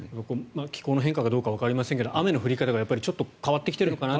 気候の変化かどうかわかりませんが雨の降り方がちょっと変わってきてるのかなと。